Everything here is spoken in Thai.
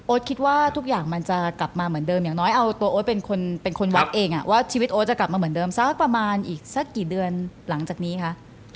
คิดว่าทุกอย่างมันจะกลับมาเหมือนเดิมอย่างน้อยเอาตัวโอ๊ตเป็นคนวัดเองว่าชีวิตโอ๊ตจะกลับมาเหมือนเดิมสักประมาณอีกสักกี่เดือนหลังจากนี้คะ